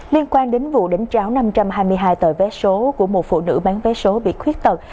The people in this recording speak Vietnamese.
liên quan đến vụ đánh tráo năm trăm hai mươi hai tờ vé số của một phụ nữ bán vé số bị khuyết tật